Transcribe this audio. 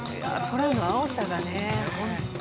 空の青さがね。